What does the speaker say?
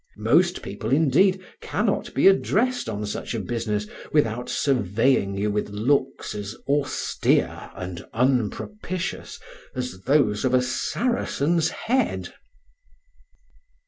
Most people, indeed, cannot be addressed on such a business without surveying you with looks as austere and unpropitious as those of a Saracen's head.